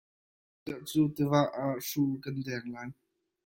Hmaizarh cu tiva ah hru kan deng lai.